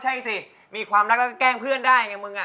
อ๋อใช่ไงสิมีความรักเราก็แกล้งเพื่อนได้ไงมึง